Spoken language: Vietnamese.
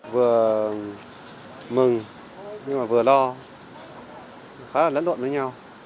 vừa mừng nhưng mà vừa lo khá là lẫn luận với nhau